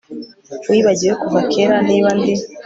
wibagiwe kuva kera niba ndi